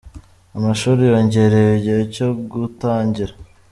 Amashuri yongererewe igihe cyogutangira